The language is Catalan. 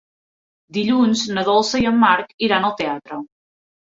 Dilluns na Dolça i en Marc iran al teatre.